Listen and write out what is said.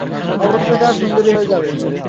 অবশ্যই, তারা সুন্দরী হয়ে যাবে।